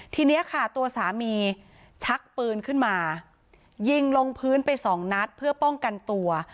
ทีนี้ค่ะตัวสามีชักปืนขึ้นมายิงลงพื้นไปสองนัดเพื่อป้องกันตัว